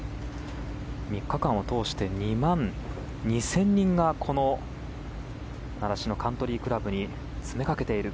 ３日間を通して２万２０００人がこの習志野カントリークラブに詰めかけている。